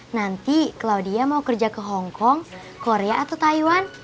nanti claudia mau kerja ke hongkong korea atau taiwan